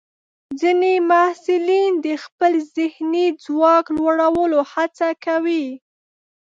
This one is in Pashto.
ځینې محصلین د خپل ذهني ځواک لوړولو هڅه کوي.